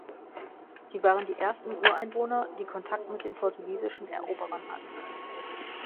Sie waren die ersten Ureinwohner, die Kontakt mit den portugiesischen Eroberern hatten.